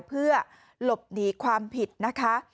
เพื่อหลบหนีความผิดนะคะ